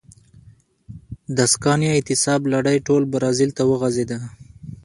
د سکانیا اعتصاب لړۍ ټول برازیل ته وغځېده.